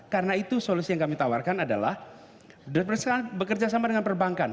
karena itu solusi yang kami tawarkan adalah bekerjasama dengan perbankan